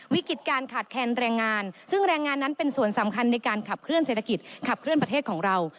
วิกฤติการขาดแคนแรงงานซึ่งแรงงานนั้นเป็นส่วนสำคัญในการขับเคลื่อเศรษฐกิจขับเคลื่อนประเทศของเรา